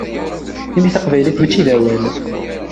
Imi taqbaylit mačči d awal.